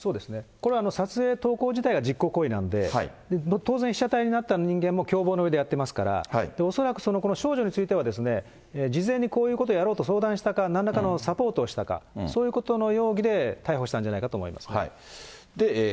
これは撮影、投稿自体が実行行為なので、当然、被写体になった人間も共謀のうえでやってますから、恐らく、その少女についてはですね、事前にこういうことやろうと、相談したか、なんらかのサポートをしたか、そういうことの容疑で逮捕したんじゃないかと思いますね。